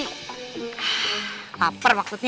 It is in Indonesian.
haa takut maksudnya